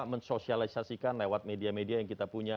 mensosialisasikan lewat media media yang kita punya